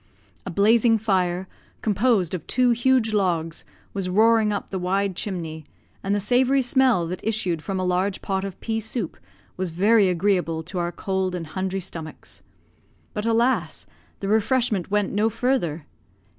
A blazing fire, composed of two huge logs, was roaring up the wide chimney, and the savoury smell that issued from a large pot of pea soup was very agreeable to our cold and hungry stomachs. But, alas, the refreshment went no further!